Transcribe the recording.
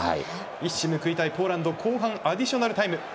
一矢報いたいポーランド後半アディショナルタイム。